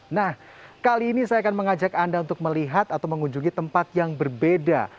nah kali ini saya akan mengajak anda untuk melihat atau mengunjungi tempat yang berbeda